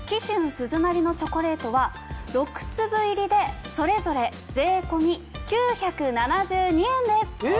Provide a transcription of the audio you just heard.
鈴なりのチョコレートは６粒入りでそれぞれ税込み９７２円です。え！